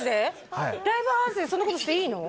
はいライブハウスでそんなことしていいの？